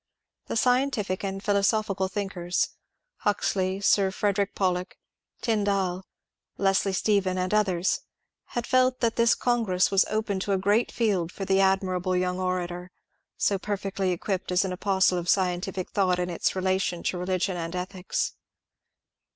The scientific and philosophical thinkers — Huxley, Sir Frederick Pollock, Tyn dall, Leslie Stephen, and others — had felt that this congress was to open a great field for the admirable young orator, so perfectly equipped as an apostle of scientific thought in its relation to religion and ethics.